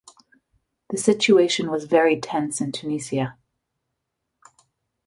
The situation was very tense in Tunisia.